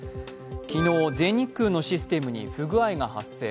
昨日、全日空のシステムに不具合が発生。